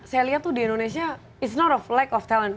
saya lihat tuh di indonesia it's not a lack of talent